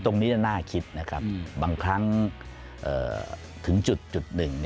ตรงนี้จะน่าคิดนะครับบางครั้งถึงจุดหนึ่ง